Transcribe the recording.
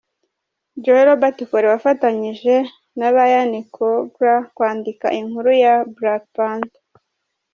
Joe Robert Cole wafanyije na Ryan Coogler kwandika inkuru ya Black Panther.